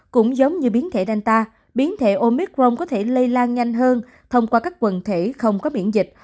cũng giống như biến thể danta biến thể omicron có thể lây lan nhanh hơn thông qua các quần thể không có miễn dịch